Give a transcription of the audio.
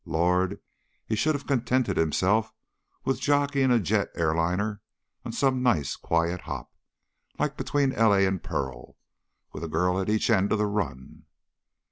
Lord, he should have contented himself with jockeying a jet airliner on some nice quiet hop. Like between L. A. and Pearl ... with a girl at each end of the run.